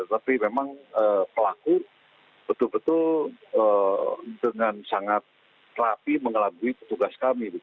tapi memang pelaku betul betul dengan sangat rapi mengelabui petugas kami